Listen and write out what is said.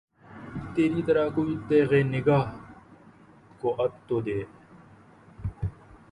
تری طرح کوئی تیغِ نگہ کو آب تو دے